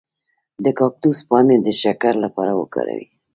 د کاکتوس پاڼې د شکر لپاره وکاروئ